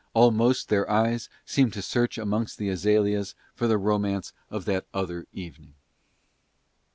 Almost their eyes seemed to search amongst the azaleas for the romance of that other evening.